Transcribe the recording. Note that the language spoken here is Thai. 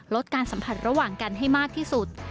ลดการสัมผัสระหว่างกันให้มากที่สุด